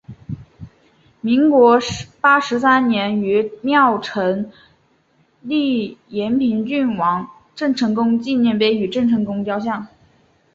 民国八十三年于庙埕立延平郡王郑成功纪念碑与郑成功雕像。